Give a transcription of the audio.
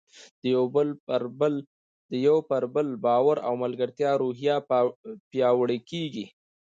د یو پر بل باور او ملګرتیا روحیه پیاوړې کیږي.